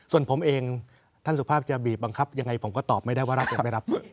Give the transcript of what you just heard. ส่วนผมเองท่านสุภาพจะบีบบังคับยังไงผมก็ตอบไม่ได้ว่าเราจะไม่รับ